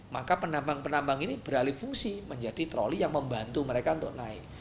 maka penambang penambang ini beralih fungsi menjadi troli yang membantu mereka untuk naik